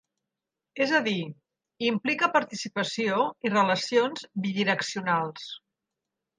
És a dir, implica participació i relacions bidireccionals.